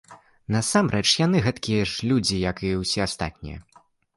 Насамрэч, яны гэткія ж людзі, як і ўсе астатнія!